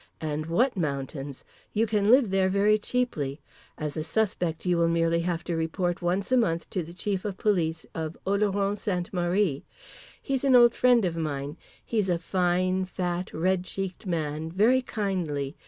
And what mountains! You can live there very cheaply. As a suspect you will merely have to report once a month to the chief of police of Oloron Sainte Marie; he's an old friend of mine! He's a fine, fat, red cheeked man, very kindly.